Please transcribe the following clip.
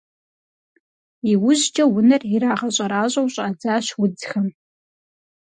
Иужькӏэ унэр ирагъэщӏэращӏэу щӏадзащ удзхэм.